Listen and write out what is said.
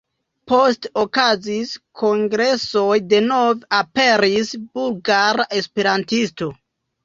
Poste okazis kongresoj, denove aperis Bulgara Esperantisto.